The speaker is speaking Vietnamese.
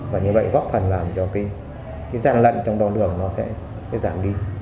và như vậy góp phần làm cho cái giàn lận trong đòn đường nó sẽ giảm đi